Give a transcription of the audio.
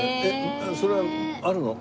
それはあるの？